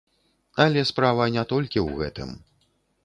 Але справа не толькі ў гэтым.